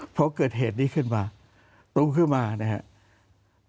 พอเกิดเหตุนี้ขึ้นมาตรงขึ้นมานะครับ